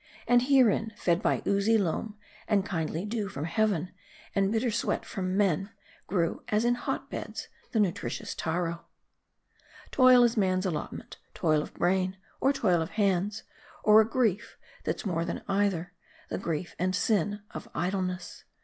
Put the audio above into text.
' And herein, fed by oozy loam, and kindly dew from heaven, and bitter sweat from men, grew as in hot beds the nutritious Taro. Toil is man's allotment ; toil of brain, or toil of hands, or a grief that's more than either, the grief and sin of idleness.